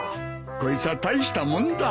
こいつは大したもんだ。